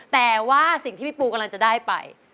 แต่ว่าสิ่งที่พี่ปูกำลังจะได้ไป